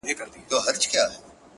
زموږ دفتحي د جشنونو -